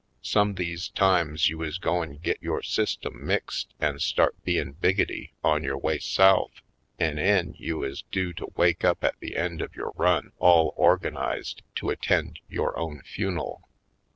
Some these times you is goin' git yore system mixed an' start bein' biggotty on yore way South an' 'en you is due to wake up at the end of yore run all organized to attend yore own fune'l.